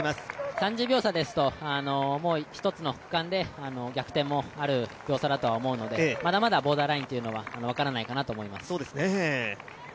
３０秒差ですと、１つの区間で逆転もある秒差だと思うので、まだまだボーダーラインは分からないかなと思います。